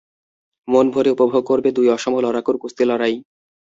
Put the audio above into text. মন ভরে উপভোগ করবে দুই অসম লড়াকুর কুস্তিলড়াই।